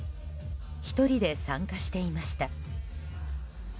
１人で参加していました。